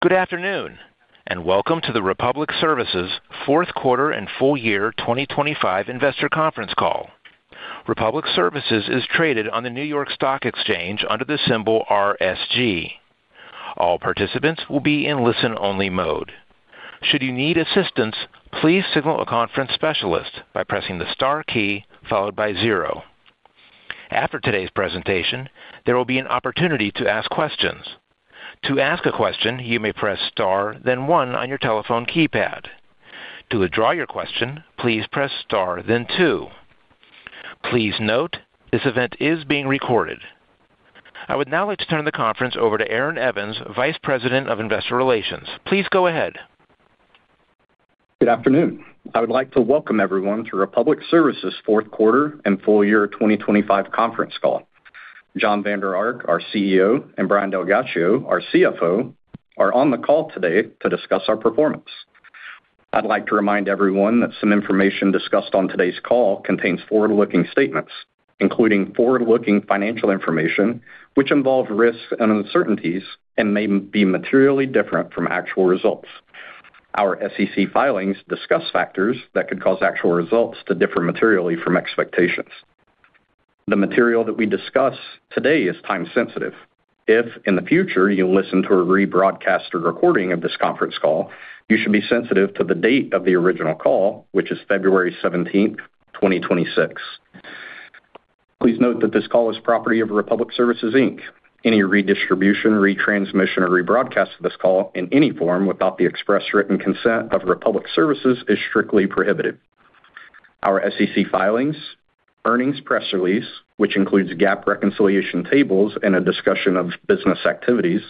Good afternoon, and welcome to the Republic Services fourth quarter and full year 2025 investor conference call. Republic Services is traded on the New York Stock Exchange under the symbol RSG. All participants will be in listen-only mode. Should you need assistance, please signal a conference specialist by pressing the star key followed by zero. After today's presentation, there will be an opportunity to ask questions. To ask a question, you may press star, then one on your telephone keypad. To withdraw your question, please press star, then two. Please note, this event is being recorded. I would now like to turn the conference over to Aaron Evans, Vice President of Investor Relations. Please go ahead. Good afternoon. I would like to welcome everyone to Republic Services fourth quarter and full year 2025 conference call. Jon Vander Ark, our CEO, and Brian DelGhiaccio, our CFO, are on the call today to discuss our performance. I'd like to remind everyone that some information discussed on today's call contains forward-looking statements, including forward-looking financial information, which involve risks and uncertainties and may be materially different from actual results. Our SEC filings discuss factors that could cause actual results to differ materially from expectations. The material that we discuss today is time-sensitive. If, in the future, you listen to a rebroadcast or recording of this conference call, you should be sensitive to the date of the original call, which is February 17, 2026. Please note that this call is the property of Republic Services, Inc. Any redistribution, retransmission, or rebroadcast of this call in any form without the express written consent of Republic Services is strictly prohibited. Our SEC filings, earnings press release, which includes GAAP reconciliation tables and a discussion of business activities,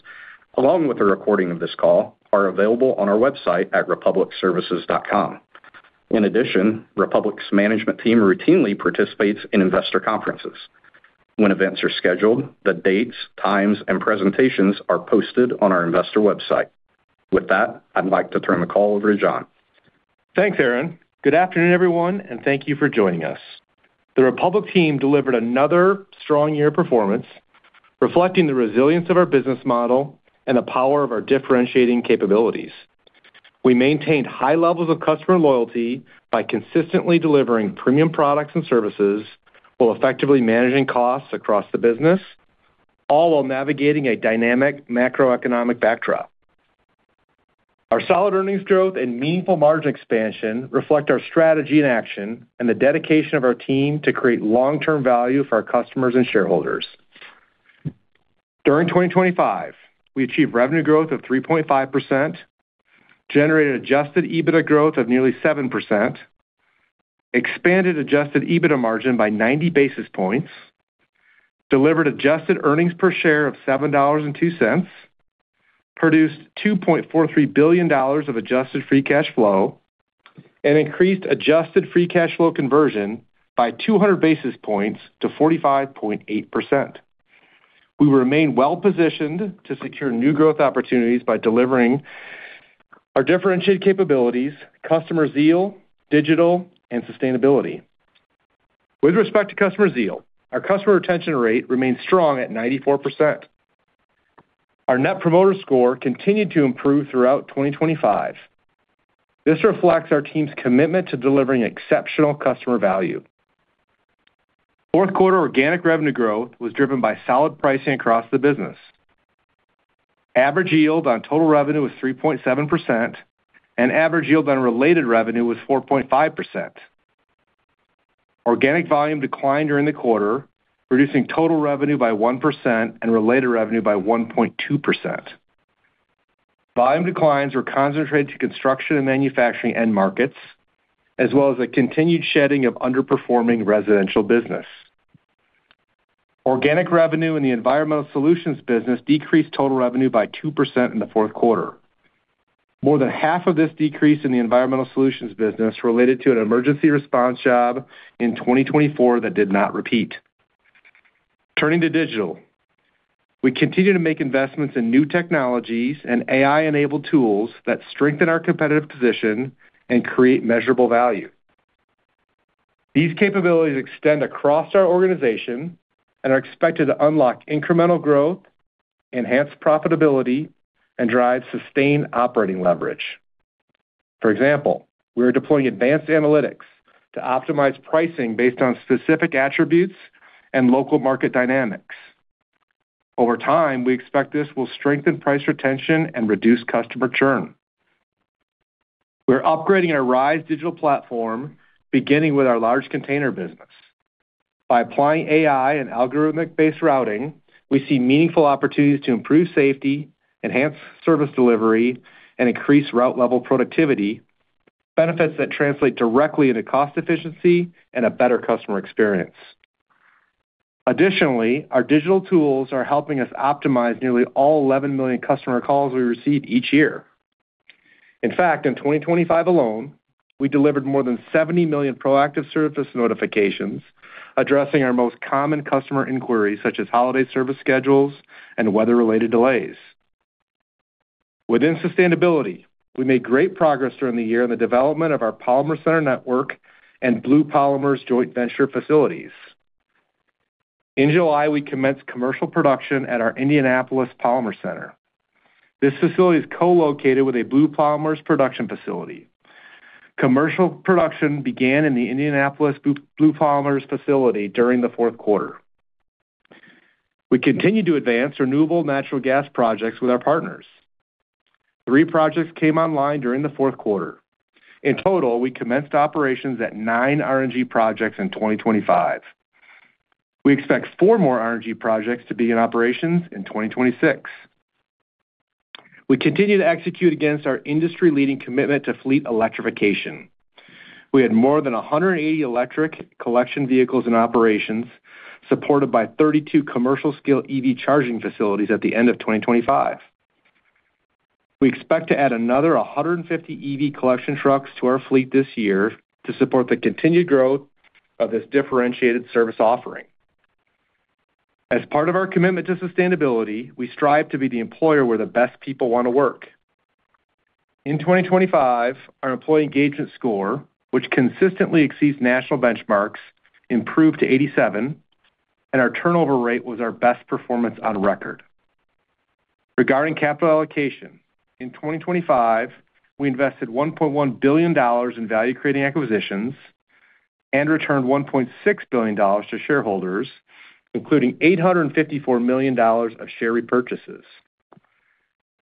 along with a recording of this call, are available on our website at republicservices.com. In addition, Republic's management team routinely participates in investor conferences. When events are scheduled, the dates, times, and presentations are posted on our investor website. With that, I'd like to turn the call over to Jon. Thanks, Aaron. Good afternoon, everyone, and thank you for joining us. The Republic team delivered another strong year of performance, reflecting the resilience of our business model and the power of our differentiating capabilities. We maintained high levels of customer loyalty by consistently delivering premium products and services, while effectively managing costs across the business, all while navigating a dynamic macroeconomic backdrop. Our solid earnings growth and meaningful margin expansion reflect our strategy in action and the dedication of our team to create long-term value for our customers and shareholders. During 2025, we achieved revenue growth of 3.5%, generated adjusted EBITDA growth of nearly 7%, expanded adjusted EBITDA margin by 90 basis points, delivered adjusted earnings per share of $7.02, produced $2.43 billion of adjusted free cash flow, and increased adjusted free cash flow conversion by 200 basis points to 45.8%. We remain well-positioned to secure new growth opportunities by delivering our differentiated capabilities, customer zeal, digital, and sustainability. With respect to customer zeal, our customer retention rate remains strong at 94%. Our net promoter score continued to improve throughout 2025. This reflects our team's commitment to delivering exceptional customer value. Fourth quarter organic revenue growth was driven by solid pricing across the business. Average yield on total revenue was 3.7%, and average yield on related revenue was 4.5%. Organic volume declined during the quarter, reducing total revenue by 1% and related revenue by 1.2%. Volume declines were concentrated to construction and manufacturing end markets, as well as a continued shedding of underperforming residential business. Organic revenue in the Environmental Solutions business decreased total revenue by 2% in the fourth quarter. More than half of this decrease in the Environmental Solutions business related to an emergency response job in 2024 that did not repeat. Turning to digital, we continue to make investments in new technologies and AI-enabled tools that strengthen our competitive position and create measurable value. These capabilities extend across our organization and are expected to unlock incremental growth, enhance profitability, and drive sustained operating leverage. For example, we are deploying advanced analytics to optimize pricing based on specific attributes and local market dynamics. Over time, we expect this will strengthen price retention and reduce customer churn. We're upgrading our RISE digital platform, beginning with our large container business. By applying AI and algorithmic-based routing, we see meaningful opportunities to improve safety, enhance service delivery, and increase route-level productivity, benefits that translate directly into cost efficiency and a better customer experience. Additionally, our digital tools are helping us optimize nearly all 11 million customer calls we receive each year. In fact, in 2025 alone, we delivered more than 70 million proactive service notifications, addressing our most common customer inquiries, such as holiday service schedules and weather-related delays. Within sustainability, we made great progress during the year in the development of our Polymer Center network and Blue Polymers joint venture facilities. In July, we commenced commercial production at our Indianapolis Polymer Center. This facility is co-located with a Blue Polymers production facility. Commercial production began in the Indianapolis Blue Polymers facility during the fourth quarter. We continued to advance renewable natural gas projects with our partners. Three projects came online during the fourth quarter. In total, we commenced operations at nine RNG projects in 2025. We expect four more RNG projects to be in operation in 2026. We continue to execute against our industry-leading commitment to fleet electrification. We had more than 180 electric collection vehicles in operations, supported by 32 commercial-scale EV charging facilities at the end of 2025. We expect to add another 150 EV collection trucks to our fleet this year to support the continued growth of this differentiated service offering. As part of our commitment to sustainability, we strive to be the employer where the best people want to work. In 2025, our employee engagement score, which consistently exceeds national benchmarks, improved to 87, and our turnover rate was our best performance on record. Regarding capital allocation, in 2025, we invested $1.1 billion in value-creating acquisitions and returned $1.6 billion to shareholders, including $854 million of share repurchases.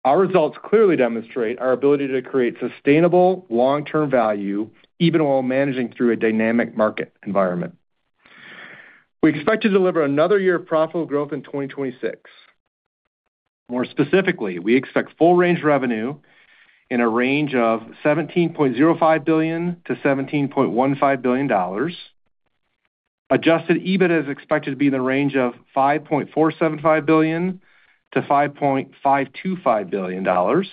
Our results clearly demonstrate our ability to create sustainable, long-term value, even while managing through a dynamic market environment. We expect to deliver another year of profitable growth in 2026. More specifically, we expect full-range revenue in a range of $17.05 billion-$17.15 billion. Adjusted EBITDA is expected to be in the range of $5.475 billion-$5.525 billion.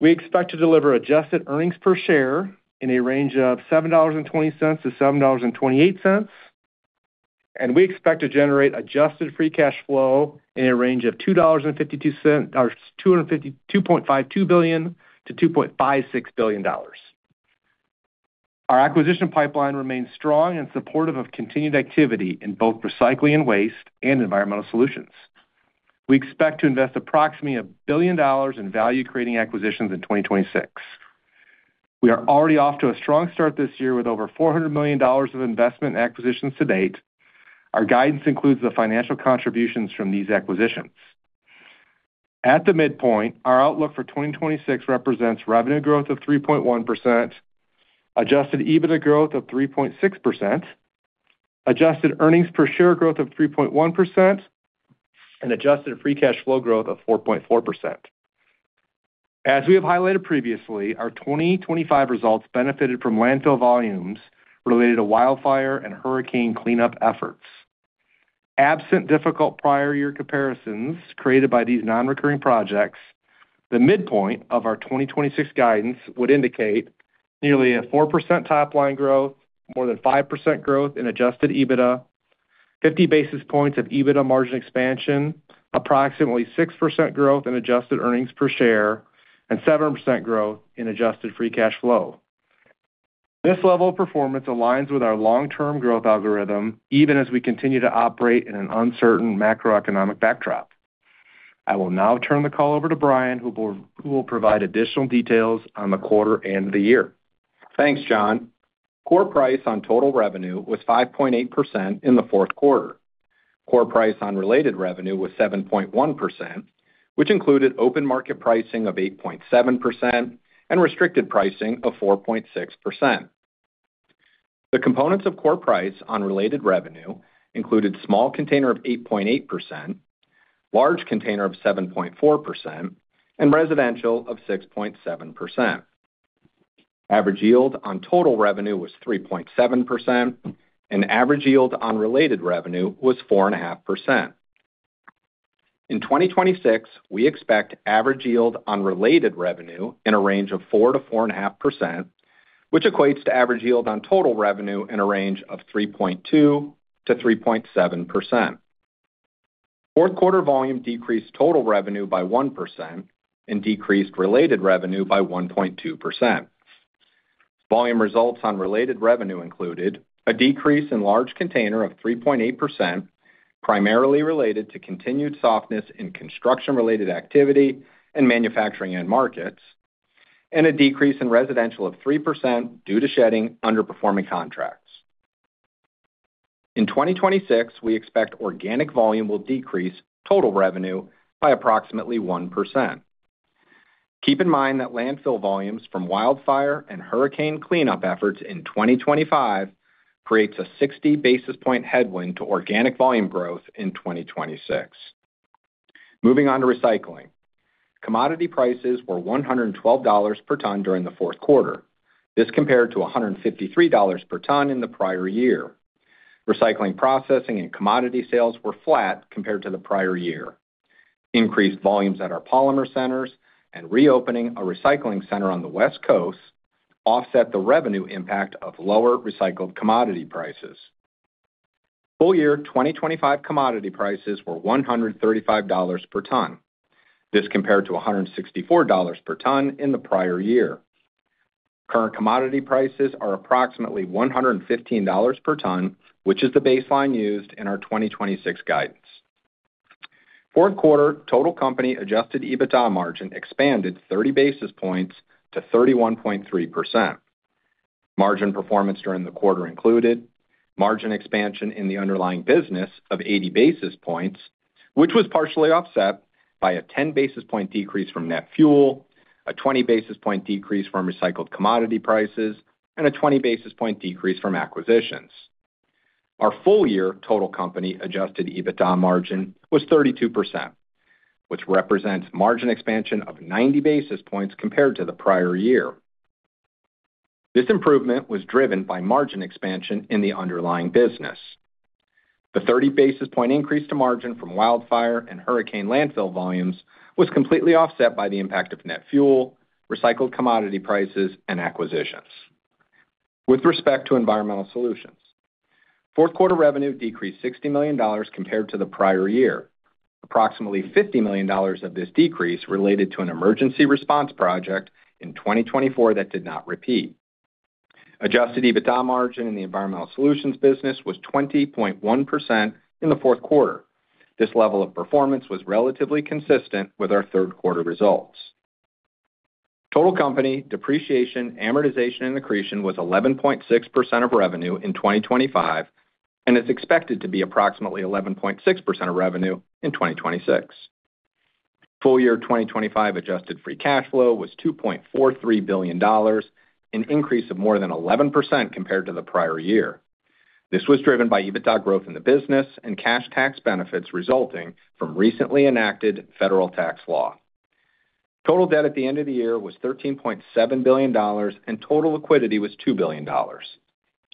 We expect to deliver adjusted earnings per share in a range of $7.20-$7.28, and we expect to generate adjusted free cash flow in a range of $2.52 billion-$2.56 billion. Our acquisition pipeline remains strong and supportive of continued activity in both recycling and waste and Environmental Solutions. We expect to invest approximately $1 billion in value-creating acquisitions in 2026. We are already off to a strong start this year with over $400 million of investment acquisitions to date. Our guidance includes the financial contributions from these acquisitions. At the midpoint, our outlook for 2026 represents revenue growth of 3.1%, adjusted EBITDA growth of 3.6%, adjusted earnings per share growth of 3.1%, and adjusted free cash flow growth of 4.4%. As we have highlighted previously, our 2025 results benefited from landfill volumes related to wildfire and hurricane cleanup efforts. Absent difficult prior year comparisons created by these non-recurring projects, the midpoint of our 2026 guidance would indicate nearly a 4% top-line growth, more than 5% growth in adjusted EBITDA, 50 basis points of EBITDA margin expansion, approximately 6% growth in adjusted earnings per share, and 7% growth in adjusted free cash flow. This level of performance aligns with our long-term growth algorithm, even as we continue to operate in an uncertain macroeconomic backdrop. I will now turn the call over to Brian, who will provide additional details on the quarter and the year. Thanks, Jon. Core price on total revenue was 5.8% in the fourth quarter. Core price on related revenue was 7.1%, which included open market pricing of 8.7% and restricted pricing of 4.6%. The components of core price on related revenue included small container of 8.8%, large container of 7.4%, and residential of 6.7%. Average yield on total revenue was 3.7%, and average yield on related revenue was 4.5%. In 2026, we expect average yield on related revenue in a range of 4%-4.5%, which equates to average yield on total revenue in a range of 3.2%-3.7%. Fourth quarter volume decreased total revenue by 1% and decreased related revenue by 1.2%. Volume results on related revenue included a decrease in large container of 3.8%, primarily related to continued softness in construction-related activity and manufacturing end markets, and a decrease in residential of 3% due to shedding underperforming contracts. In 2026, we expect organic volume will decrease total revenue by approximately 1%. Keep in mind that landfill volumes from wildfire and hurricane cleanup efforts in 2025 creates a 60 basis point headwind to organic volume growth in 2026. Moving on to recycling. Commodity prices were $112 per ton during the fourth quarter. This compared to $153 per ton in the prior year. Recycling, processing, and commodity sales were flat compared to the prior year. Increased volumes at our Polymer Centers and reopening a recycling center on the West Coast offset the revenue impact of lower recycled commodity prices. Full year 2025 commodity prices were $135 per ton. This compared to $164 per ton in the prior year. Current commodity prices are approximately $115 per ton, which is the baseline used in our 2026 guidance. Fourth quarter total company adjusted EBITDA margin expanded 30 basis points to 31.3%. Margin performance during the quarter included: margin expansion in the underlying business of 80 basis points, which was partially offset by a 10 basis point decrease from net fuel, a 20 basis point decrease from recycled commodity prices, and a 20 basis point decrease from acquisitions. Our full-year total company adjusted EBITDA margin was 32%, which represents margin expansion of 90 basis points compared to the prior year. This improvement was driven by margin expansion in the underlying business. The 30 basis point increase to margin from wildfire and hurricane landfill volumes was completely offset by the impact of net fuel, recycled commodity prices, and acquisitions. With respect to Environmental Solutions, fourth quarter revenue decreased $60 million compared to the prior year. Approximately $50 million of this decrease related to an emergency response project in 2024 that did not repeat. Adjusted EBITDA margin in the Environmental Solutions business was 20.1% in the fourth quarter. This level of performance was relatively consistent with our third quarter results. Total company depreciation, amortization, and accretion was 11.6% of revenue in 2025, and it's expected to be approximately 11.6% of revenue in 2026. Full year 2025 adjusted free cash flow was $2.43 billion, an increase of more than 11% compared to the prior year. This was driven by EBITDA growth in the business and cash tax benefits resulting from recently enacted federal tax law. Total debt at the end of the year was $13.7 billion, and total liquidity was $2 billion.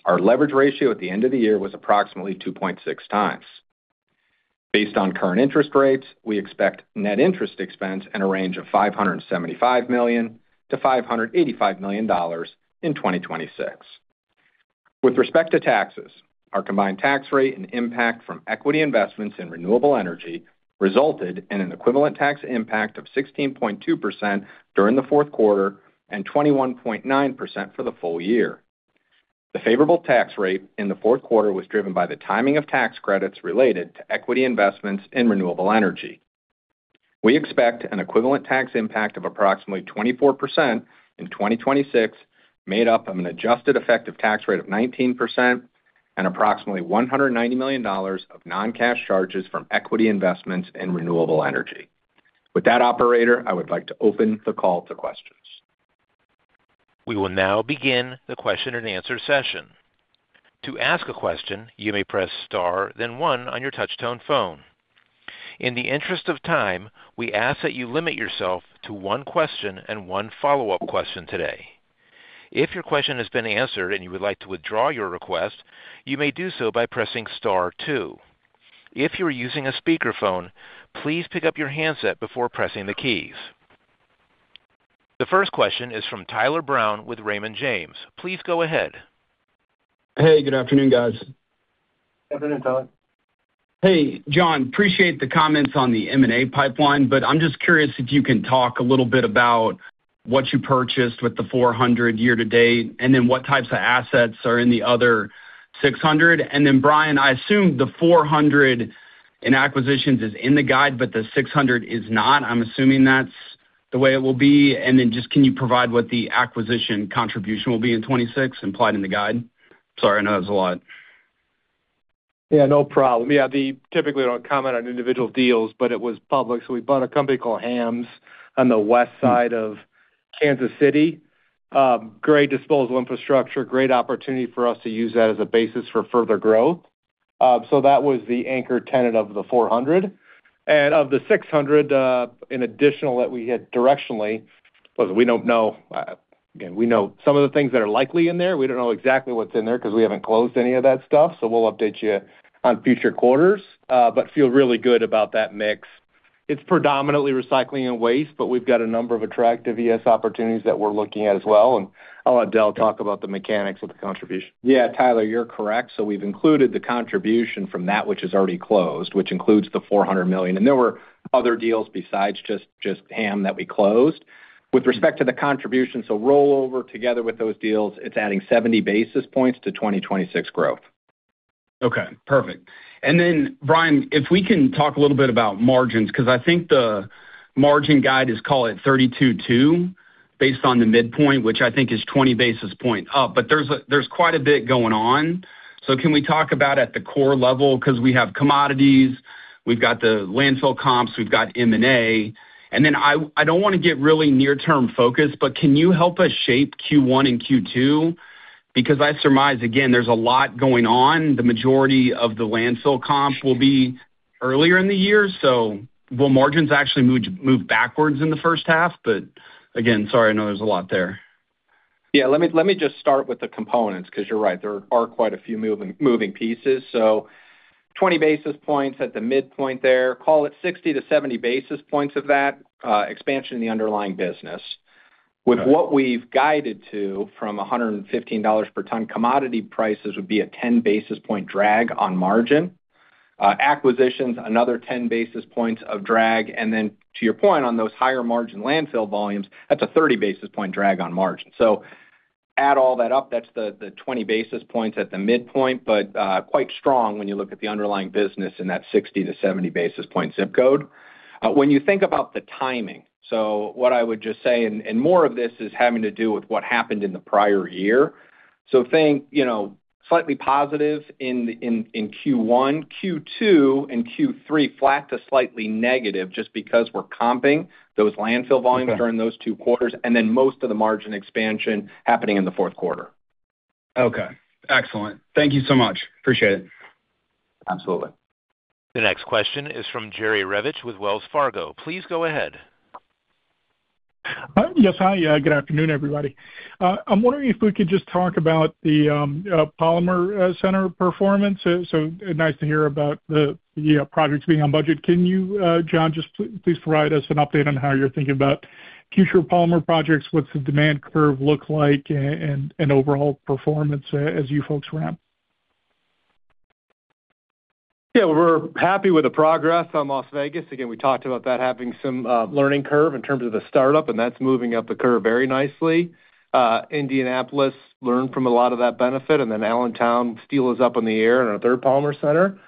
Our leverage ratio at the end of the year was approximately 2.6x. Based on current interest rates, we expect net interest expense in a range of $575 million-$585 million in 2026. With respect to taxes, our combined tax rate and impact from equity investments in renewable energy resulted in an equivalent tax impact of 16.2% during the fourth quarter and 21.9% for the full year. The favorable tax rate in the fourth quarter was driven by the timing of tax credits related to equity investments in renewable energy. We expect an equivalent tax impact of approximately 24% in 2026, made up of an adjusted effective tax rate of 19% and approximately $190 million of non-cash charges from equity investments in renewable energy. With that, operator, I would like to open the call to questions. We will now begin the question-and-answer session. To ask a question, you may press star, then one on your touchtone phone. In the interest of time, we ask that you limit yourself to one question and one follow-up question today. If your question has been answered and you would like to withdraw your request, you may do so by pressing star two. If you are using a speakerphone, please pick up your handset before pressing the keys. The first question is from Tyler Brown with Raymond James. Please go ahead. Hey, good afternoon, guys. Good afternoon, Tyler. Hey, Jon, appreciate the comments on the M&A pipeline, but I'm just curious if you can talk a little bit about what you purchased with the $400 million year to date, and then what types of assets are in the other $600 million. And then, Brian, I assume the $400 million in acquisitions is in the guide, but the $600 million is not. I'm assuming that's the way it will be. And then just can you provide what the acquisition contribution will be in 2026 implied in the guide? Sorry, I know that's a lot. Yeah, no problem. Yeah, we typically don't comment on individual deals, but it was public, so we bought a company called Hamm on the west side of Kansas City. Great disposal infrastructure, great opportunity for us to use that as a basis for further growth. So that was the anchor tenant of the 400. And of the 600 in additional that we hit directionally, we don't know. Again, we know some of the things that are likely in there. We don't know exactly what's in there because we haven't closed any of that stuff, so we'll update you on future quarters, but feel really good about that mix. It's predominantly recycling and waste, but we've got a number of attractive ES opportunities that we're looking at as well, and I'll let Del talk about the mechanics of the contribution. Yeah, Tyler, you're correct. So we've included the contribution from that which is already closed, which includes the $400 million, and there were other deals besides just, Hamm that we closed. With respect to the contribution, so rollover together with those deals, it's adding 70 basis points to 2026 growth. Okay, perfect. And then, Brian, if we can talk a little bit about margins, because I think the margin guide is, call it, 32.2%, based on the midpoint, which I think is 20 basis points up. But there's a, there's quite a bit going on. So can we talk about at the core level? Because we have commodities, we've got the landfill comps, we've got M&A. And then I, I don't want to get really near-term focused, but can you help us shape Q1 and Q2? Because I surmise, again, there's a lot going on. The majority of the landfill comp will be earlier in the year, so will margins actually move backwards in the first half? But again, sorry, I know there's a lot there. Yeah, let me just start with the components, because you're right, there are quite a few moving, moving pieces. So 20 basis points at the midpoint there. Call it 60-70 basis points of that expansion in the underlying business. With what we've guided to from $115 per ton, commodity prices would be a 10 basis point drag on margin. Acquisitions, another 10 basis points of drag. And then to your point, on those higher margin landfill volumes, that's a 30 basis point drag on margin. So add all that up, that's the 20 basis points at the midpoint, but quite strong when you look at the underlying business in that 60-70 basis point ZIP code. When you think about the timing, so what I would just say, and more of this is having to do with what happened in the prior year, so think, you know, slightly positive in Q1, Q2 and Q3, flat to slightly negative, just because we're comping those landfill volumes during those two quarters, and then most of the margin expansion happening in the fourth quarter. Okay, excellent. Thank you so much. Appreciate it. Absolutely. The next question is from Jerry Revich with Wells Fargo. Please go ahead. Yes, hi. Good afternoon, everybody. I'm wondering if we could just talk about the Polymer Center performance. So nice to hear about the projects being on budget. Can you, Jon, just please provide us an update on how you're thinking about future polymer projects, what's the demand curve look like, and overall performance as you folks ramp? Yeah, we're happy with the progress on Las Vegas. Again, we talked about that having some learning curve in terms of the startup, and that's moving up the curve very nicely. Indianapolis learned from a lot of that benefit, and then Allentown still is up in the air in our third Polymer Center.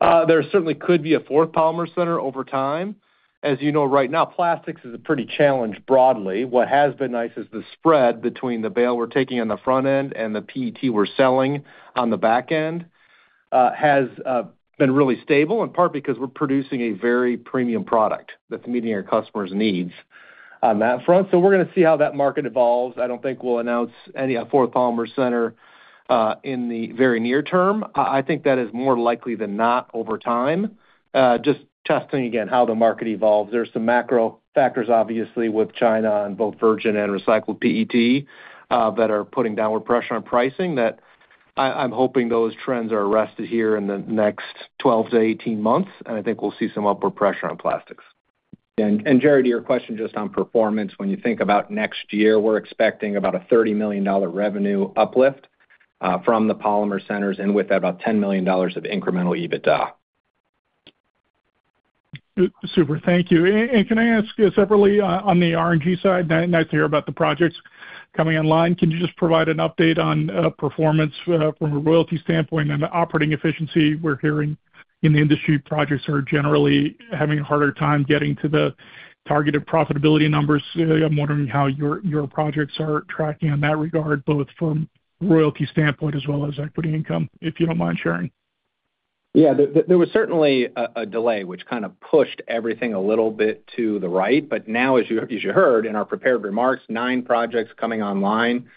There certainly could be a fourth Polymer Center over time. As you know, right now, plastics is pretty challenged broadly. What has been nice is the spread between the bale we're taking on the front end and the PET we're selling on the back end has been really stable, in part because we're producing a very premium product that's meeting our customers' needs on that front. So we're gonna see how that market evolves. I don't think we'll announce any fourth Polymer Center in the very near term.I think that is more likely than not over time. Just testing again, how the market evolves. There's some macro factors, obviously, with China on both virgin and recycled PET, that are putting downward pressure on pricing, that I, I'm hoping those trends are arrested here in the next 12-18 months, and I think we'll see some upward pressure on plastics. Jerry, to your question just on performance, when you think about next year, we're expecting about a $30 million revenue uplift from the Polymer Centers, and with that, about $10 million of incremental EBITDA. Good. Super, thank you. And can I ask separately, on the RNG side, nice to hear about the projects coming online. Can you just provide an update on, performance, from a royalty standpoint and the operating efficiency? We're hearing in the industry, projects are generally having a harder time getting to the targeted profitability numbers. I'm wondering how your projects are tracking on that regard, both from a royalty standpoint as well as equity income, if you don't mind sharing. Yeah, there was certainly a delay, which kind of pushed everything a little bit to the right. But now, as you heard in our prepared remarks, nine projects coming online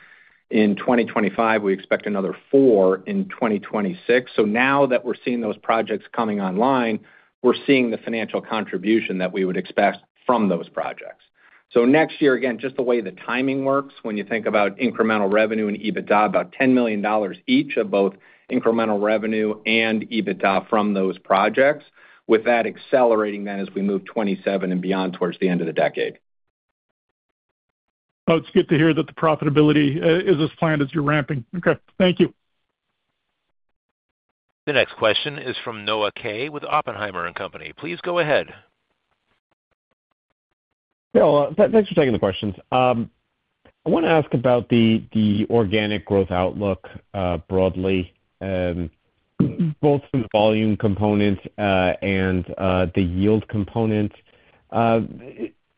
in 2025. We expect another four in 2026. So now that we're seeing those projects coming online, we're seeing the financial contribution that we would expect from those projects. So next year, again, just the way the timing works, when you think about incremental revenue and EBITDA, about $10 million each of both incremental revenue and EBITDA from those projects, with that accelerating then as we move 2027 and beyond towards the end of the decade. Well, it's good to hear that the profitability is as planned as you're ramping. Okay, thank you. The next question is from Noah Kaye with Oppenheimer and Company. Please go ahead. Yeah, thanks for taking the questions. I want to ask about the organic growth outlook broadly, both from the volume component and the yield component. I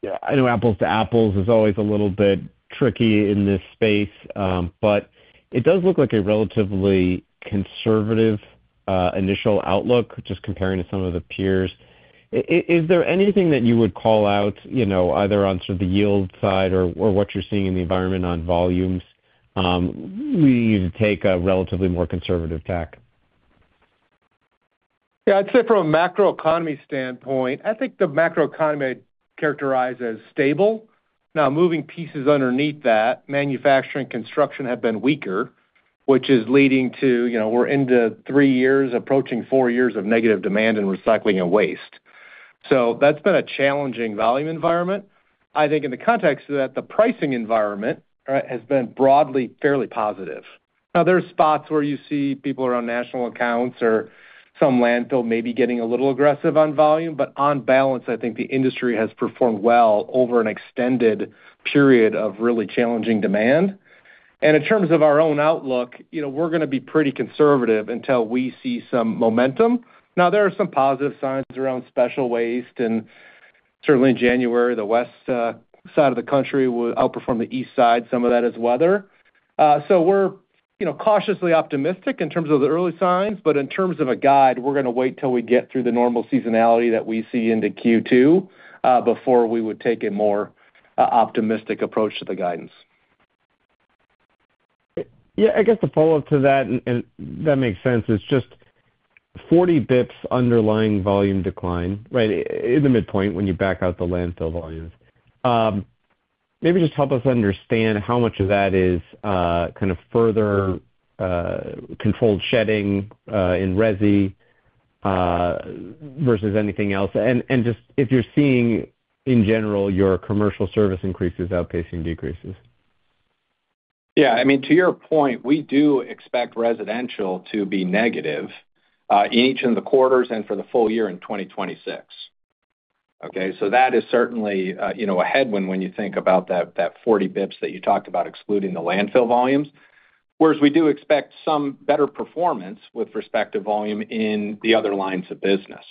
know apples to apples is always a little bit tricky in this space, but it does look like a relatively conservative initial outlook, just comparing to some of the peers. Is there anything that you would call out, you know, either on sort of the yield side or what you're seeing in the environment on volumes, we take a relatively more conservative tack? Yeah, I'd say from a macroeconomic standpoint, I think the macroeconomic I'd characterize as stable. Now, moving pieces underneath that, manufacturing, construction have been weaker, which is leading to, you know, we're into three years, approaching four years of negative demand in recycling and waste. So that's been a challenging volume environment. I think in the context of that, the pricing environment, right, has been broadly fairly positive. Now, there are spots where you see people around national accounts or some landfill maybe getting a little aggressive on volume, but on balance, I think the industry has performed well over an extended period of really challenging demand. In terms of our own outlook, you know, we're gonna be pretty conservative until we see some momentum. Now, there are some positive signs around special waste, and certainly in January, the west side of the country will outperform the east side. Some of that is weather. So we're, you know, cautiously optimistic in terms of the early signs, but in terms of a guide, we're gonna wait till we get through the normal seasonality that we see into Q2 before we would take a more optimistic approach to the guidance. Yeah, I guess the follow-up to that, and that makes sense, is just 40 basis points underlying volume decline, right, in the midpoint when you back out the landfill volumes. Maybe just help us understand how much of that is kind of further controlled shedding in resi versus anything else, and just if you're seeing, in general, your commercial service increases outpacing decreases. Yeah, I mean, to your point, we do expect residential to be negative each in the quarters and for the full year in 2026. Okay? So that is certainly, you know, a headwind when you think about that 40 basis points that you talked about, excluding the landfill volumes. Whereas we do expect some better performance with respect to volume in the other lines of business.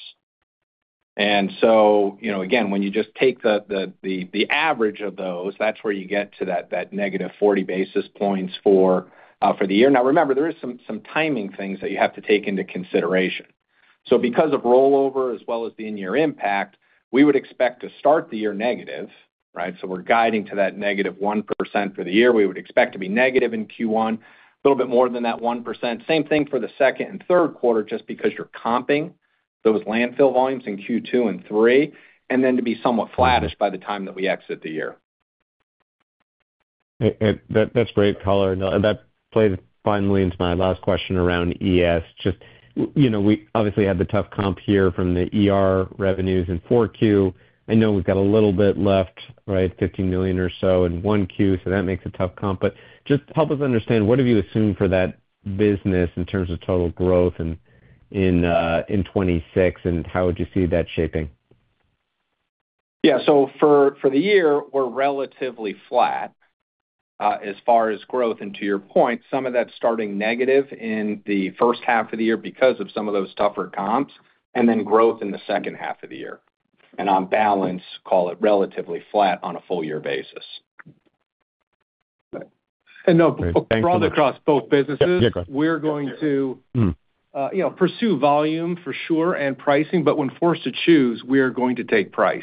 And so, you know, again, when you just take the average of those, that's where you get to that negative 40 basis points for the year. Now, remember, there is some timing things that you have to take into consideration. So because of rollover as well as the in-year impact, we would expect to start the year negative, right? So we're guiding to that negative 1% for the year. We would expect to be negative in Q1, a little bit more than that 1%. Same thing for the second and third quarter, just because you're comping those landfill volumes in Q2 and three, and then to be somewhat flattish by the time that we exit the year. That's great color, and that plays finally into my last question around ES. Just, you know, we obviously had the tough comp here from the ER revenues in 4Q. I know we've got a little bit left, right, $15 million or so in 1Q, so that makes a tough comp. But just help us understand, what have you assumed for that business in terms of total growth in 2026, and how would you see that shaping? Yeah, so for the year, we're relatively flat as far as growth. And to your point, some of that's starting negative in the first half of the year because of some of those tougher comps, and then growth in the second half of the year. And on balance, call it relatively flat on a full year basis. Okay. Thank you. And now broadly across both businesses. Yeah, go ahead. We're going to. You know, pursue volume for sure, and pricing, but when forced to choose, we are going to take price,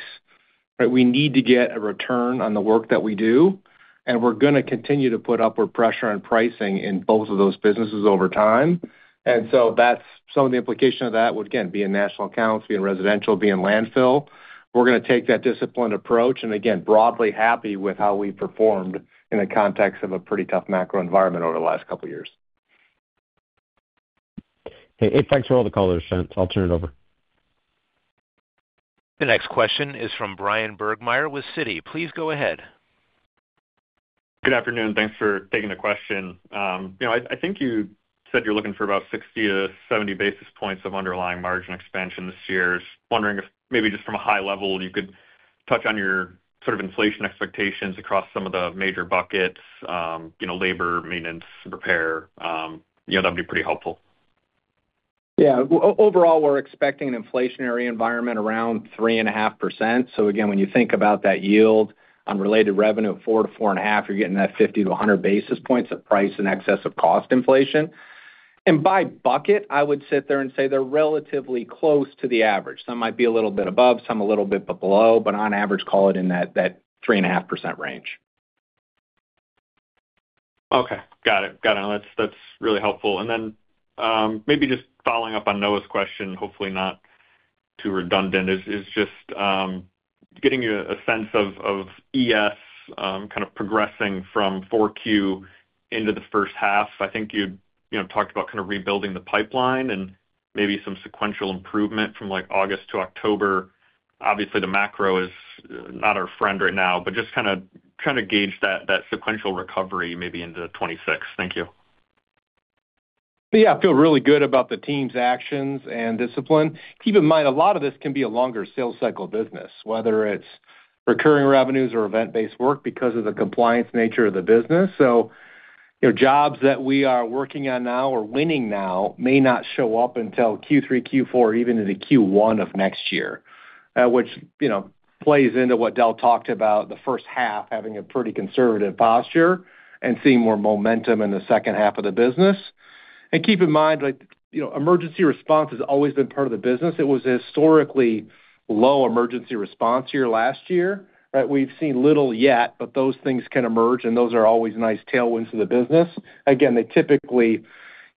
right? We need to get a return on the work that we do, and we're gonna continue to put upward pressure on pricing in both of those businesses over time. And so that's -- some of the implication of that would, again, be in national accounts, be in residential, be in landfill. We're gonna take that disciplined approach, and again, broadly happy with how we've performed in the context of a pretty tough macro environment over the last couple of years. Hey, thanks for all the colors. I'll turn it over. The next question is from Bryan Burgmeier with Citi. Please go ahead. Good afternoon, thanks for taking the question. You know, I think you said you're looking for about 60-70 basis points of underlying margin expansion this year. Just wondering if maybe just from a high level, you could touch on your sort of inflation expectations across some of the major buckets, you know, labor, maintenance, repair, you know, that'd be pretty helpful. Yeah. Overall, we're expecting an inflationary environment around 3.5%. So again, when you think about that yield on related revenue of 4%-4.5%, you're getting that 50-100 basis points of price in excess of cost inflation. And by bucket, I would sit there and say they're relatively close to the average. Some might be a little bit above, some a little bit below, but on average, call it in that 3.5% range. Okay, got it. Got it. That's really helpful. And then, maybe just following up on Noah's question, hopefully not too redundant, is just getting a sense of ES kind of progressing from 4Q into the first half. I think you know talked about kind of rebuilding the pipeline and maybe some sequential improvement from, like, August to October. Obviously, the macro is not our friend right now, but just kind of trying to gauge that sequential recovery maybe into 2026. Thank you. Yeah, I feel really good about the team's actions and discipline. Keep in mind, a lot of this can be a longer sales cycle business, whether it's recurring revenues or event-based work, because of the compliance nature of the business. So, you know, jobs that we are working on now or winning now may not show up until Q3, Q4, even into Q1 of next year, which, you know, plays into what Del talked about, the first half having a pretty conservative posture and seeing more momentum in the second half of the business. And keep in mind, like, you know, emergency response has always been part of the business. It was a historically low emergency response year last year, right? We've seen little yet, but those things can emerge, and those are always nice tailwinds to the business. Again, they typically, you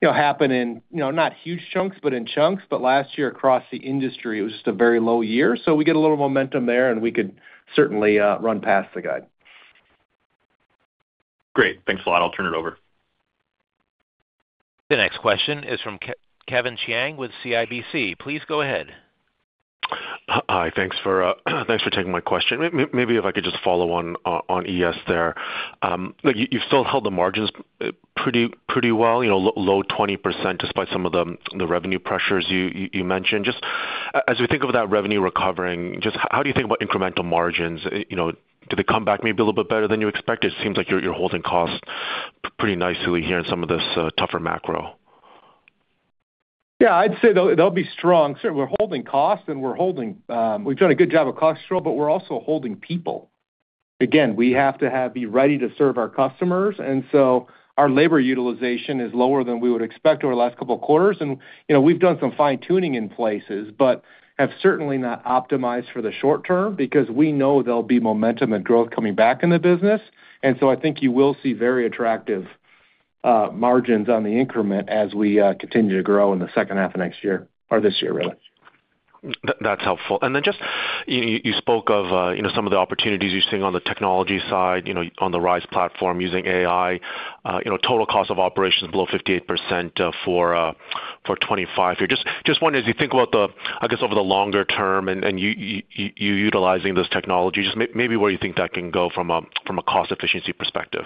know, happen in, you know, not huge chunks, but in chunks. But last year, across the industry, it was just a very low year. So we get a little momentum there, and we could certainly run past the guide. Great. Thanks a lot. I'll turn it over. The next question is from Kevin Chiang with CIBC. Please go ahead. Hi, thanks for taking my question. Maybe if I could just follow on ES there. You've still held the margins pretty well, you know, low 20%, despite some of the revenue pressures you mentioned. Just as we think of that revenue recovering, just how do you think about incremental margins? You know, do they come back maybe a little bit better than you expected? It seems like you're holding costs pretty nicely here in some of this tougher macro. Yeah, I'd say they'll be strong. So we're holding costs, and we're holding. We've done a good job of cost control, but we're also holding people. Again, we have to be ready to serve our customers, and so our labor utilization is lower than we would expect over the last couple of quarters. And, you know, we've done some fine-tuning in places, but have certainly not optimized for the short term, because we know there'll be momentum and growth coming back in the business. And so I think you will see very attractive margins on the increment as we continue to grow in the second half of next year or this year, really. That's helpful. And then just, you spoke of, you know, some of the opportunities you're seeing on the technology side, you know, on the RISE platform using AI. You know, total cost of operations below 58%, for 2025 here. Just wondering, as you think about the, I guess, over the longer term and you utilizing those technologies, maybe where you think that can go from a cost efficiency perspective.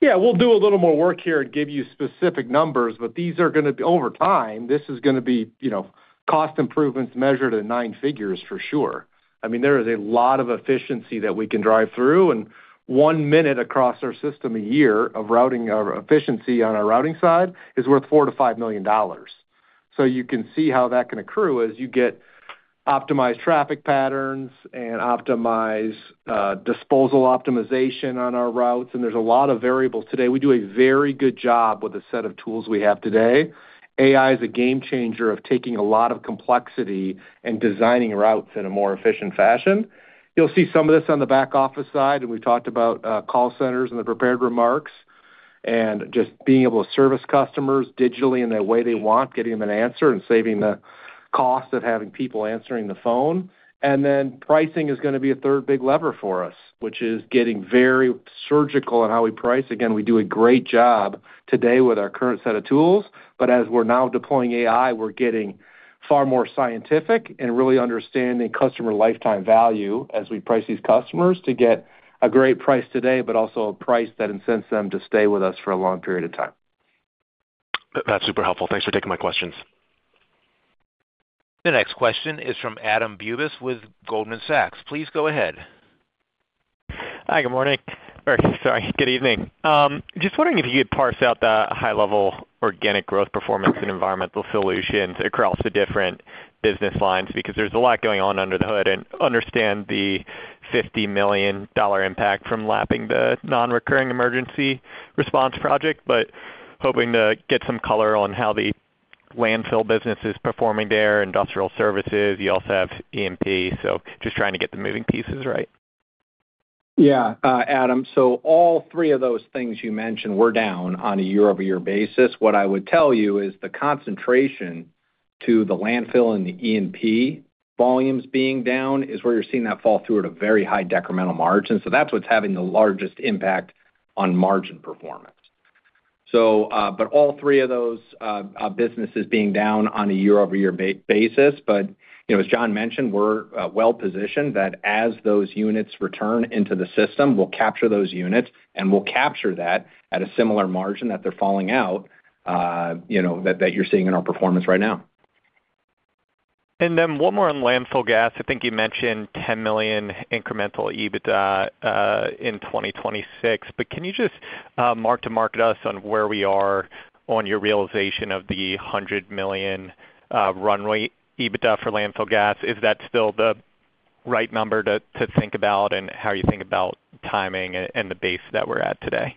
Yeah, we'll do a little more work here and give you specific numbers, but these are gonna be. Over time, this is gonna be, you know, cost improvements measured in nine figures for sure. I mean, there is a lot of efficiency that we can drive through, and one minute across our system a year of routing our efficiency on our routing side is worth $4 million-$5 million. So you can see how that can accrue as you get optimized traffic patterns and optimize disposal optimization on our routes, and there's a lot of variables today. We do a very good job with the set of tools we have today. AI is a game changer of taking a lot of complexity and designing routes in a more efficient fashion. You'll see some of this on the back office side, and we talked about call centers in the prepared remarks, and just being able to service customers digitally in the way they want, getting them an answer, and saving the cost of having people answering the phone. Then pricing is gonna be a third big lever for us, which is getting very surgical in how we price. Again, we do a great job today with our current set of tools, but as we're now deploying AI, we're getting far more scientific in really understanding customer lifetime value as we price these customers to get a great price today, but also a price that incents them to stay with us for a long period of time. That's super helpful. Thanks for taking my questions. The next question is from Adam Bubis with Goldman Sachs. Please go ahead. Hi, good morning. Sorry, good evening. Just wondering if you could parse out the high-level organic growth performance in Environmental Solutions across the different business lines, because there's a lot going on under the hood, and understand the $50 million impact from lapping the non-recurring emergency response project, but hoping to get some color on how the landfill business is performing there, industrial services. You also have E&P, so just trying to get the moving pieces right. Yeah, Adam, so all three of those things you mentioned were down on a year-over-year basis. What I would tell you is the concentration to the landfill and the E&P volumes being down is where you're seeing that fall through at a very high decremental margin. So that's what's having the largest impact on margin performance. So, but all three of those are businesses being down on a year-over-year basis. But, you know, as Jon mentioned, we're well-positioned, that as those units return into the system, we'll capture those units, and we'll capture that at a similar margin that they're falling out, you know, that, that you're seeing in our performance right now. Then one more on landfill gas. I think you mentioned $10 million incremental EBITDA in 2026, but can you just mark-to-market us on where we are on your realization of the $100 million runway EBITDA for landfill gas? Is that still the right number to think about, and how you think about timing and the base that we're at today?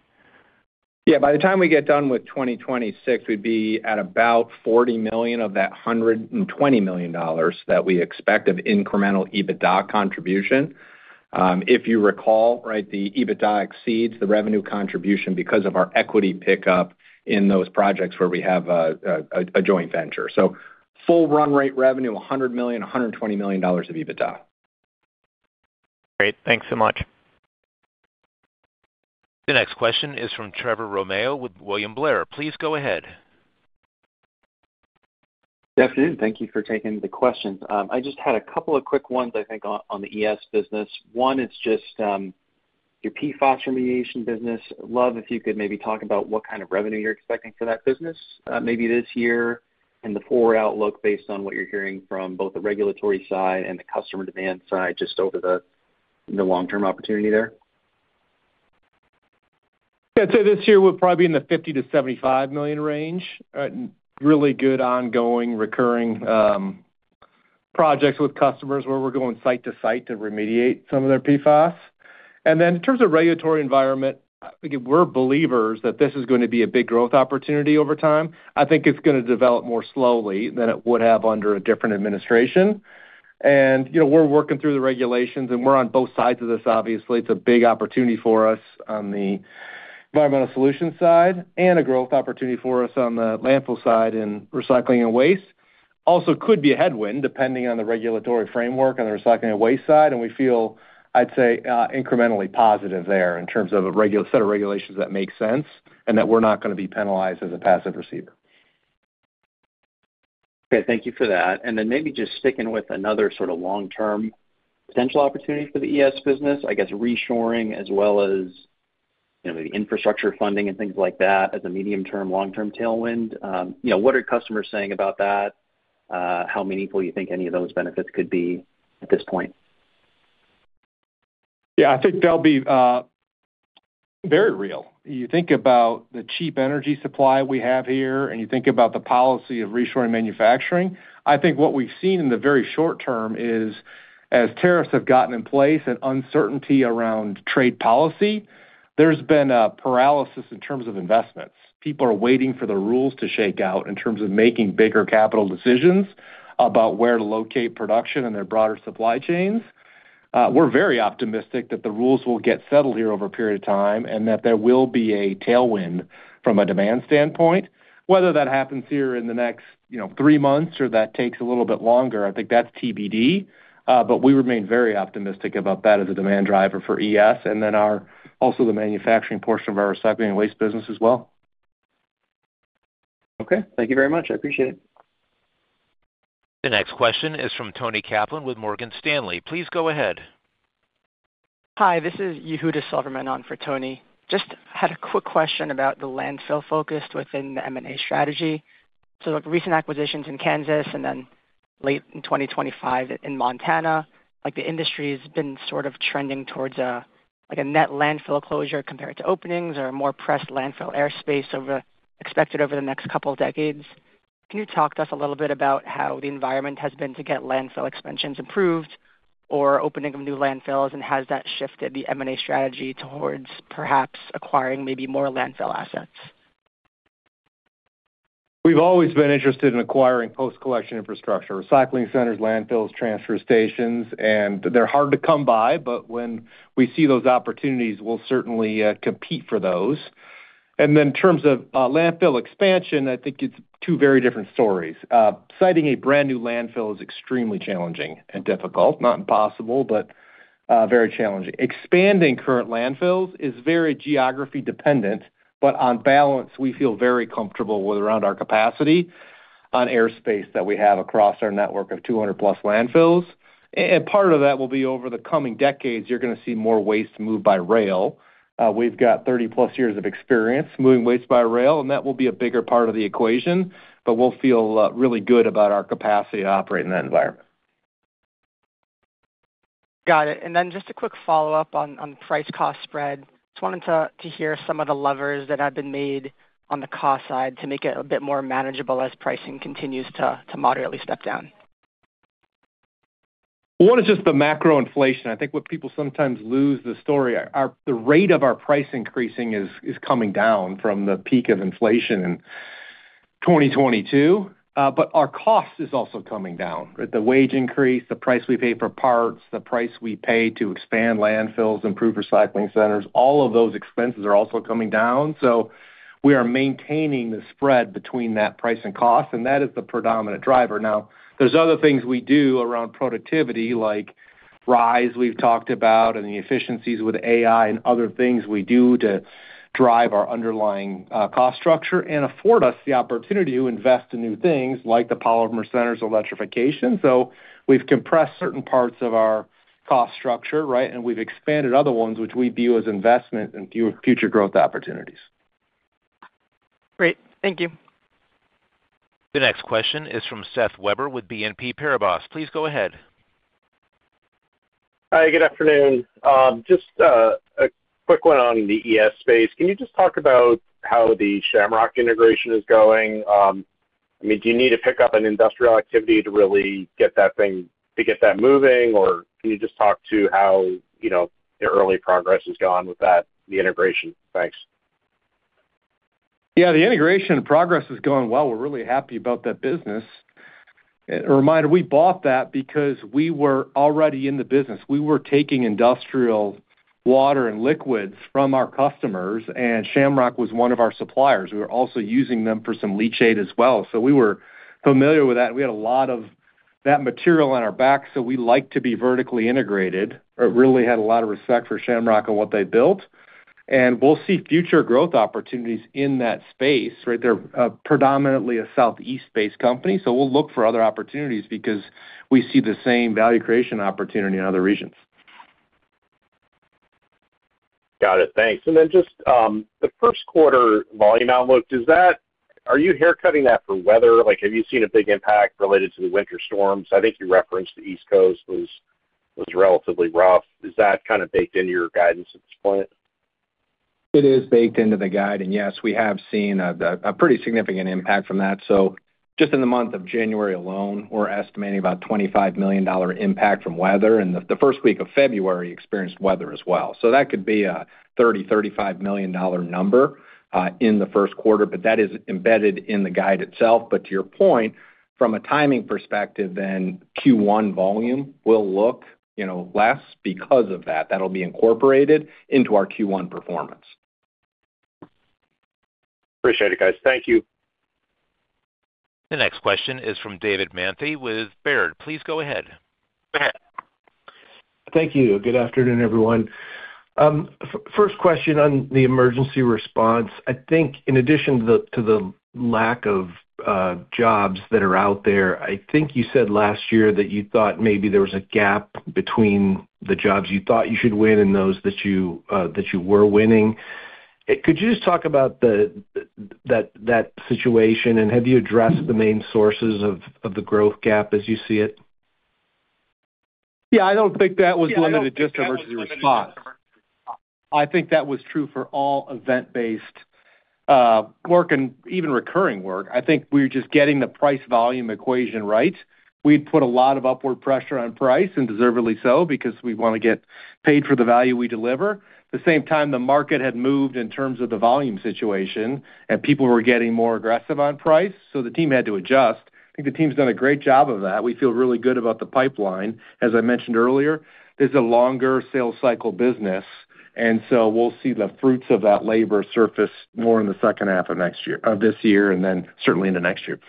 Yeah, by the time we get done with 2026, we'd be at about $40 million of that $120 million that we expect of incremental EBITDA contribution. If you recall, right, the EBITDA exceeds the revenue contribution because of our equity pickup in those projects where we have a joint venture. So full run rate revenue, $100 million, $120 million of EBITDA. Great. Thanks so much. The next question is from Trevor Romeo with William Blair. Please go ahead. Good afternoon. Thank you for taking the questions. I just had a couple of quick ones, I think, on the ES business. One, it's just your PFAS remediation business. Love if you could maybe talk about what kind of revenue you're expecting for that business, maybe this year, and the forward outlook based on what you're hearing from both the regulatory side and the customer demand side, just over the long-term opportunity there? Yeah, I'd say this year we're probably in the $50 million-$75 million range. Really good ongoing recurring projects with customers where we're going site to site to remediate some of their PFAS. And then in terms of regulatory environment, I think we're believers that this is gonna be a big growth opportunity over time. I think it's gonna develop more slowly than it would have under a different administration. And, you know, we're working through the regulations, and we're on both sides of this, obviously. It's a big opportunity for us on the Environmental Solutions side and a growth opportunity for us on the landfill side in recycling and waste. Also could be a headwind, depending on the regulatory framework on the recycling and waste side, and we feel, I'd say, incrementally positive there in terms of a regulatory set of regulations that make sense, and that we're not gonna be penalized as a passive receiver. Okay, thank you for that. And then maybe just sticking with another sort of long-term potential opportunity for the ES business, I guess reshoring as well as, you know, the infrastructure funding and things like that, as a medium-term, long-term tailwind. You know, what are customers saying about that? How meaningful you think any of those benefits could be at this point? Yeah, I think they'll be very real. You think about the cheap energy supply we have here, and you think about the policy of reshoring manufacturing. I think what we've seen in the very short term is, as tariffs have gotten in place and uncertainty around trade policy, there's been a paralysis in terms of investments. People are waiting for the rules to shake out in terms of making bigger capital decisions about where to locate production and their broader supply chains. We're very optimistic that the rules will get settled here over a period of time, and that there will be a tailwind from a demand standpoint. Whether that happens here in the next, you know, three months or that takes a little bit longer, I think that's TBD, but we remain very optimistic about that as a demand driver for ES, and then our. Also the manufacturing portion of our recycling and waste business as well. Okay, thank you very much. I appreciate it. The next question is from Toni Kaplan with Morgan Stanley. Please go ahead. Hi, this is Yehuda Silverman on for Toni. Just had a quick question about the landfill focus within the M&A strategy. So the recent acquisitions in Kansas and then late in 2025 in Montana, like, the industry has been sort of trending towards a, like, a net landfill closure compared to openings or a more pressed landfill airspace over, expected over the next couple of decades. Can you talk to us a little bit about how the environment has been to get landfill expansions improved or opening of new landfills, and has that shifted the M&A strategy towards perhaps acquiring maybe more landfill assets? We've always been interested in acquiring post-collection infrastructure, recycling centers, landfills, transfer stations, and they're hard to come by, but when we see those opportunities, we'll certainly compete for those. Then in terms of landfill expansion, I think it's two very different stories. Siting a brand new landfill is extremely challenging and difficult, not impossible, but very challenging. Expanding current landfills is very geography dependent, but on balance, we feel very comfortable with around our capacity on airspace that we have across our network of 200+ landfills. And part of that will be over the coming decades, you're going to see more waste moved by rail. We've got 30+ years of experience moving waste by rail, and that will be a bigger part of the equation, but we'll feel really good about our capacity to operate in that environment. Got it. And then just a quick follow-up on price cost spread. Just wanted to hear some of the levers that have been made on the cost side to make it a bit more manageable as pricing continues to moderately step down. One is just the macro inflation. I think what people sometimes lose the story. The rate of our price increasing is, is coming down from the peak of inflation in 2022, but our cost is also coming down. The wage increase, the price we pay for parts, the price we pay to expand landfills, improve recycling centers, all of those expenses are also coming down. So we are maintaining the spread between that price and cost, and that is the predominant driver. Now, there's other things we do around productivity, like RISE we've talked about, and the efficiencies with AI and other things we do to drive our underlying cost structure and afford us the opportunity to invest in new things like the Polymer Centers electrification. So we've compressed certain parts of our cost structure, right? We've expanded other ones, which we view as investment in future growth opportunities. Great. Thank you. The next question is from Seth Weber with BNP Paribas. Please go ahead. Hi, good afternoon. Just a quick one on the ES space. Can you just talk about how the Shamrock integration is going? I mean, do you need to pick up an industrial activity to really get that thing, to get that moving? Or can you just talk to how, you know, the early progress has gone with that, the integration? Thanks. Yeah, the integration progress is going well. We're really happy about that business. A reminder, we bought that because we were already in the business. We were taking industrial water and liquids from our customers, and Shamrock was one of our suppliers. We were also using them for some leachate as well, so we were familiar with that. We had a lot of that material on our back, so we like to be vertically integrated. It really had a lot of respect for Shamrock and what they built, and we'll see future growth opportunities in that space, right? They're predominantly a Southeast-based company, so we'll look for other opportunities because we see the same value creation opportunity in other regions. Got it. Thanks. And then just, the first quarter volume outlook, are you haircutting that for weather? Like, have you seen a big impact related to the winter storms? I think you referenced the East Coast was relatively rough. Is that kind of baked into your guidance at this point? It is baked into the guide, and yes, we have seen a pretty significant impact from that. So just in the month of January alone, we're estimating about $25 million impact from weather, and the first week of February experienced weather as well. So that could be a $30-$35 million number in the first quarter, but that is embedded in the guide itself. But to your point, from a timing perspective, then Q1 volume will look, you know, less because of that. That'll be incorporated into our Q1 performance. Appreciate it, guys. Thank you. The next question is from David Manthey with Baird. Please go ahead. Go ahead. Thank you. Good afternoon, everyone. First question on the emergency response: I think in addition to the lack of jobs that are out there, I think you said last year that you thought maybe there was a gap between the jobs you thought you should win and those that you were winning. Could you just talk about that situation, and have you addressed the main sources of the growth gap as you see it? Yeah, I don't think that was limited just to emergency response. I think that was true for all event-based work and even recurring work. I think we were just getting the price-volume equation right. We'd put a lot of upward pressure on price, and deservedly so, because we want to get paid for the value we deliver. The same time, the market had moved in terms of the volume situation, and people were getting more aggressive on price, so the team had to adjust. I think the team's done a great job of that. We feel really good about the pipeline. As I mentioned earlier, this is a longer sales cycle business, and so we'll see the fruits of that labor surface more in the second half of next year, this year, and then certainly into next year.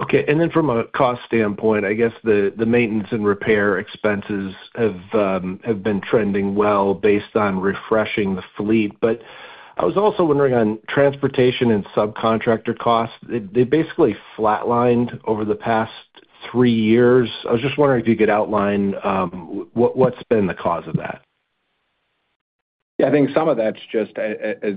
Okay, and then from a cost standpoint, I guess the maintenance and repair expenses have been trending well based on refreshing the fleet. But I was also wondering on transportation and subcontractor costs, they basically flatlined over the past three years. I was just wondering if you could outline what's been the cause of that? Yeah, I think some of that's just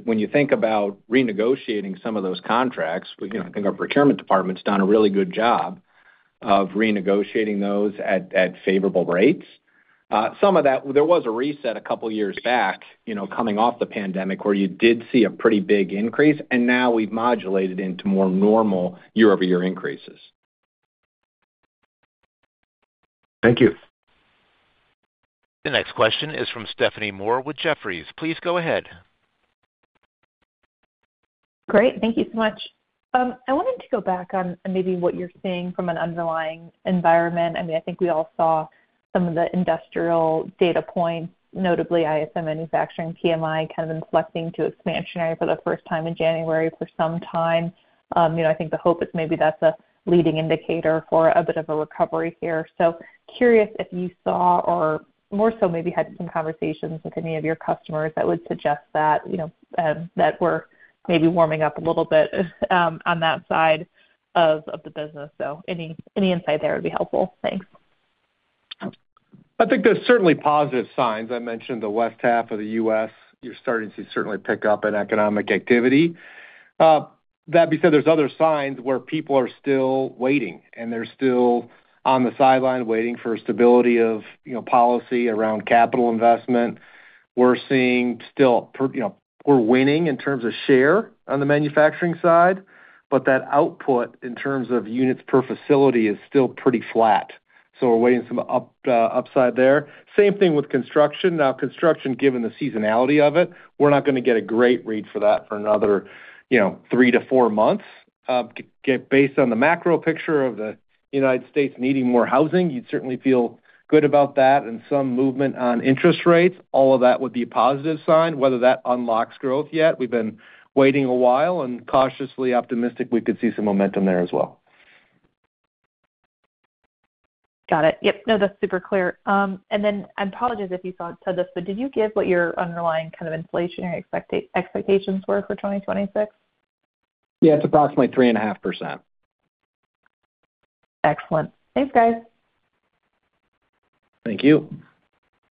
when you think about renegotiating some of those contracts, you know, I think our procurement department's done a really good job of renegotiating those at favorable rates. Some of that, there was a reset a couple years back, you know, coming off the pandemic, where you did see a pretty big increase, and now we've modulated into more normal year-over-year increases. Thank you. The next question is from Stephanie Moore with Jefferies. Please go ahead. Great. Thank you so much. I wanted to go back on maybe what you're seeing from an underlying environment. I mean, I think we all saw some of the industrial data points, notably ISM Manufacturing PMI, kind of inflecting to expansionary for the first time in January for some time. You know, I think the hope is maybe that's a leading indicator for a bit of a recovery here. So curious if you saw or more so maybe had some conversations with any of your customers that would suggest that, you know, that we're maybe warming up a little bit, on that side of the business. So any insight there would be helpful. Thanks. I think there's certainly positive signs. I mentioned the west half of the U.S., you're starting to see certainly pick up in economic activity. That being said, there's other signs where people are still waiting, and they're still on the sideline waiting for stability of, you know, policy around capital investment. We're seeing still, you know, we're winning in terms of share on the manufacturing side, but that output, in terms of units per facility, is still pretty flat, so we're awaiting some up, upside there. Same thing with construction. Now, construction, given the seasonality of it, we're not gonna get a great read for that for another, you know, three to four months. Get based on the macro picture of the United States needing more housing, you'd certainly feel good about that and some movement on interest rates. All of that would be a positive sign. Whether that unlocks growth yet, we've been waiting a while and cautiously optimistic we could see some momentum there as well. Got it. Yep. No, that's super clear. And then I apologize if you said this, but did you give what your underlying kind of inflationary expectations were for 2026? Yeah, it's approximately 3.5%. Excellent. Thanks, guys. Thank you.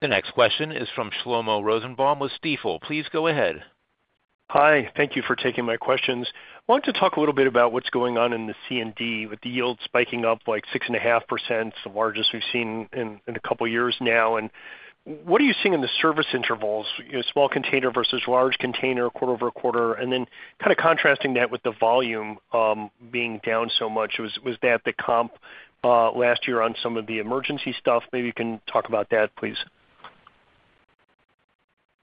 The next question is from Shlomo Rosenbaum with Stifel. Please go ahead. Hi. Thank you for taking my questions. I want to talk a little bit about what's going on in the C&D, with the yield spiking up, like, 6.5%, the largest we've seen in a couple years now. And what are you seeing in the service intervals, you know, small container versus large container, quarter-over-quarter? And then kind of contrasting that with the volume being down so much, was that the comp last year on some of the emergency stuff? Maybe you can talk about that, please.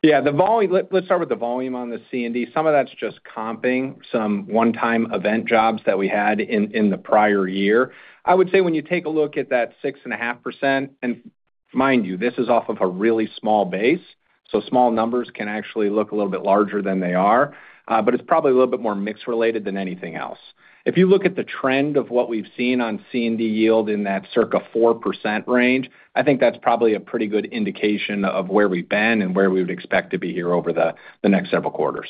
Yeah, the volume. Let's start with the volume on the C&D. Some of that's just comping some one-time event jobs that we had in the prior year. I would say, when you take a look at that 6.5%, and mind you, this is off of a really small base, so small numbers can actually look a little bit larger than they are. But it's probably a little bit more mix related than anything else. If you look at the trend of what we've seen on C&D yield in that circa 4% range, I think that's probably a pretty good indication of where we've been and where we would expect to be here over the next several quarters.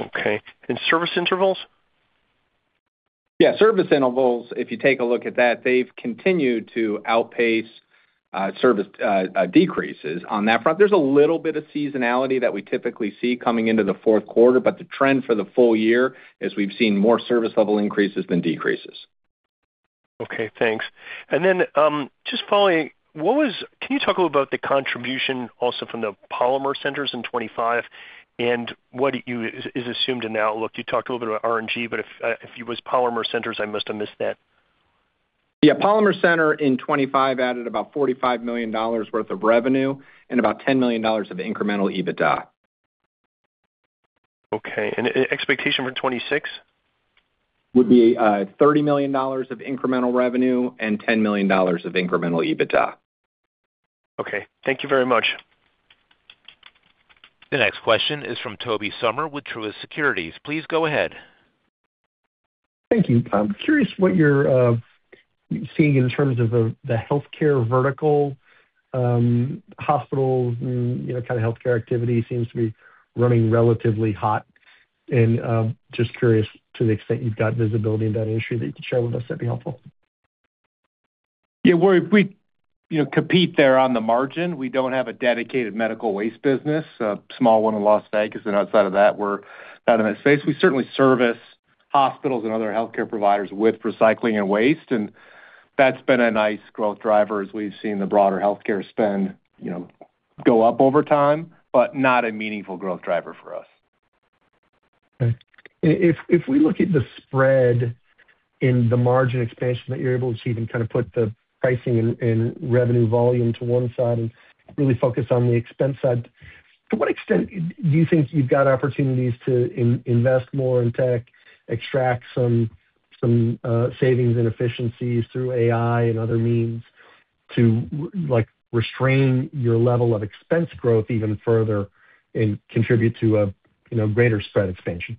Okay. And service intervals? Yeah, service intervals, if you take a look at that, they've continued to outpace service decreases on that front. There's a little bit of seasonality that we typically see coming into the fourth quarter, but the trend for the full year is we've seen more service level increases than decreases. Okay, thanks. And then, just following, what was— Can you talk a little about the contribution also from the Polymer Centers in 2025, and what do you is assumed in the outlook? You talked a little bit about RNG, but if it was Polymer Centers, I must have missed that. Yeah, Polymer Center in 2025 added about $45 million worth of revenue and about $10 million of incremental EBITDA. Okay. Expectation for 2026? Would be $30 million of incremental revenue and $10 million of incremental EBITDA. Okay. Thank you very much. The next question is from Tobey Sommer with Truist Securities. Please go ahead. Thank you. I'm curious what you're seeing in terms of the healthcare vertical. Hospitals and, you know, kind of healthcare activity seems to be running relatively hot. Just curious, to the extent you've got visibility into that industry that you can share with us, that'd be helpful. Yeah, we, you know, compete there on the margin. We don't have a dedicated medical waste business, a small one in Las Vegas, and outside of that, we're not in that space. We certainly service hospitals and other healthcare providers with recycling and waste, and that's been a nice growth driver as we've seen the broader healthcare spend, you know, go up over time, but not a meaningful growth driver for us. Okay. If we look at the spread in the margin expansion that you're able to see and kind of put the pricing and revenue volume to one side and really focus on the expense side, to what extent do you think you've got opportunities to invest more in tech, extract some savings and efficiencies through AI and other means to, like, restrain your level of expense growth even further and contribute to a, you know, greater spread expansion?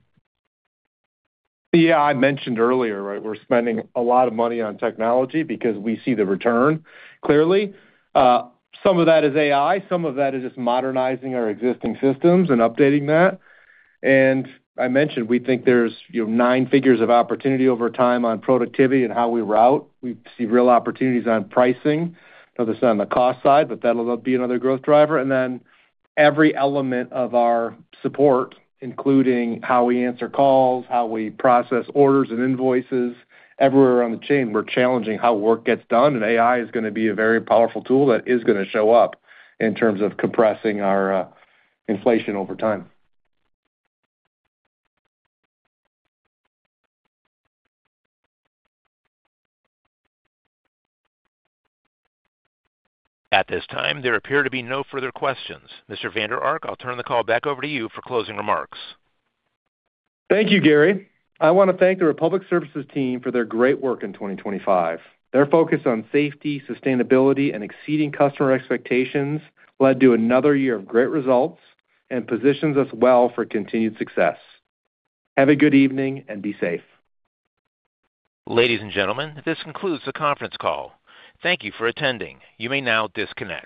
Yeah, I mentioned earlier, right, we're spending a lot of money on technology because we see the return, clearly. Some of that is AI, some of that is just modernizing our existing systems and updating that. And I mentioned we think there's, you know, nine figures of opportunity over time on productivity and how we route. We see real opportunities on pricing, obviously on the cost side, but that'll be another growth driver. And then every element of our support, including how we answer calls, how we process orders and invoices, everywhere around the chain, we're challenging how work gets done, and AI is gonna be a very powerful tool that is gonna show up in terms of compressing our inflation over time. At this time, there appear to be no further questions. Mr. Vander Ark, I'll turn the call back over to you for closing remarks. Thank you, Gary. I wanna thank the Republic Services team for their great work in 2025. Their focus on safety, sustainability, and exceeding customer expectations led to another year of great results and positions us well for continued success. Have a good evening and be safe. Ladies and gentlemen, this concludes the conference call. Thank you for attending. You may now disconnect.